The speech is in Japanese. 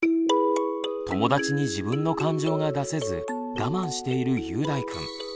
友だちに自分の感情が出せず我慢しているゆうだいくん。